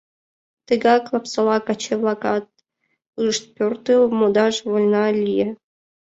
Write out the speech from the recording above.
Тегак Лапсола каче-влакат ышт пӧртыл, модаш вольна лие.